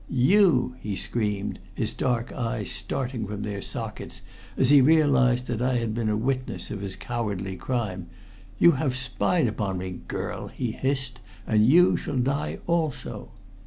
'You!' he screamed, his dark eyes starting from their sockets as he realized that I had been a witness of his cowardly crime. 'You have spied upon me, girl!' he hissed, 'and you shall die also!'